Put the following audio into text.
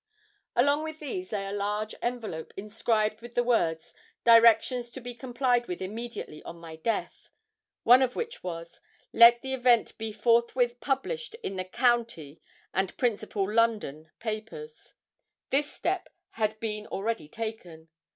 Along with these lay a large envelope, inscribed with the words 'Directions to be complied with immediately on my death.' One of which was, 'Let the event be forthwith published in the county and principal London papers.' This step had been already taken.